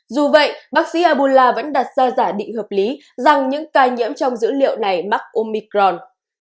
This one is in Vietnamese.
dù vậy bác sĩ abula vẫn đặt ra giả định hợp lý rằng những ca nhiễm trong dữ liệu này mắc omicron